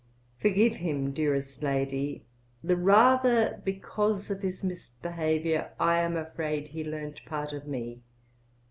Forgive him, dearest lady, the rather because of his misbehaviour I am afraid he learnt part of me.